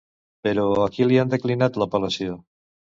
Però, a qui li han declinat l'apel·lació?